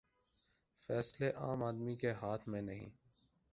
فیصلے عام آدمی کے ہاتھ میں نہیں۔